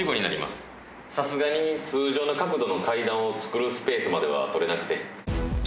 さすがに通常の角度の階段を造るスペースまでは取れなくて。